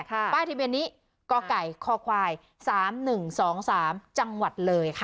ค่ะป้ายทะเบียนนี้กไก่คควายสามหนึ่งสองสามจังหวัดเลยค่ะ